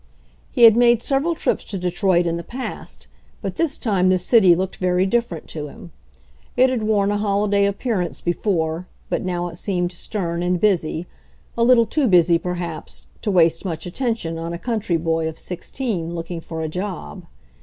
He had made several trips to Detroit in the past, but this time the city looked very different to him. It had worn a holiday appearance be fore, but now it seemed stern and busy — a little too busy, perhaps, to waste much attention on a country boy of sixteen looking for a job.